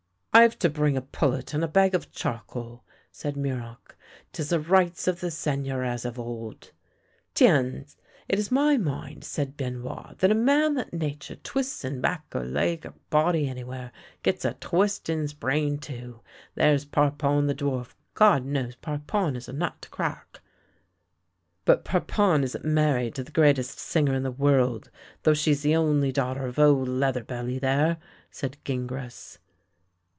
" I've to bring a pullet and a bag of charcoal," said Muroc. " 'Tis the rights of the Seigneur as of old." " Tiens! It is my mind," said Benoit, " that a man that nature twists in back, or leg, or body anywhere, gets a twist in's brain too. There's Parpon the dwarf — God knows, Parpon is a nut to crack! "" But Parpon isn't married to the greatest singer in the world, though she's only the daughter of old leather belly there!" said Gingras.